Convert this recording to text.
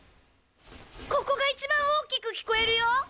ここが一番大きく聞こえるよ。